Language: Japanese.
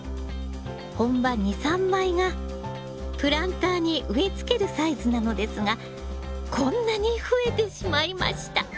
本葉２３枚がプランターに植えつけるサイズなのですがこんなに増えてしまいました。